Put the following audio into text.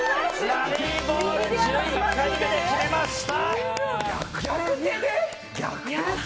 ラリーボール、１１回目で決めました！